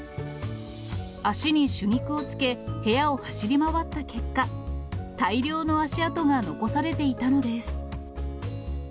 足に朱肉をつけ、部屋を走り回った結果、大量の足跡が残されていたのです。